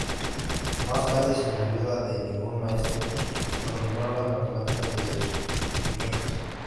Más tarde, sin ayuda de ningún maestro, dominó las matemáticas desde sus cimientos.